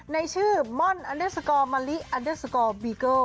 ในชื่อม่อนอันเดอร์สกอร์มะลิอันเดอร์สกอร์บีเกิล